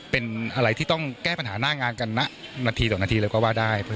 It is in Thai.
เป็นอะไรที่ต้องแก้ปัญหาหน้างานกันหน้านาทีดอกนาทีแล้วก็ได้